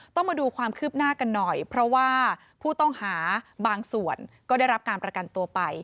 ต้องมาดูความคืบหน้ากันหน่อยเพราะว่าผู้ต้องหาบางส่วนก็ได้รับการประกันตัวไป